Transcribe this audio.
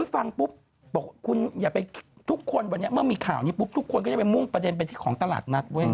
ฟังปุ๊บบอกทุกคนเมื่อมีข่าวนี้ปุ๊บทุกคนก็จะไปมุ่งประเด็นเป็นที่ของตลาดนัด